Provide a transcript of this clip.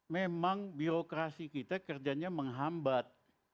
memang birokrasi kita kerjanya menghambat